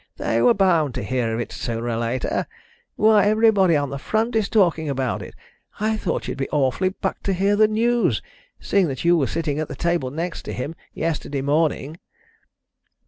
"They were bound to hear of it sooner or later; why, everybody on the front is talking about it. I thought you'd be awfully bucked to hear the news, seeing that you were sitting at the next table to him yesterday morning."